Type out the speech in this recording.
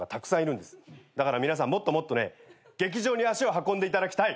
だから皆さんもっともっと劇場に足を運んでいただきたい。